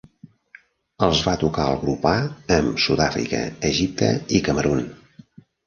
Els va tocar el grup A amb Sudàfrica, Egipte i Camerun.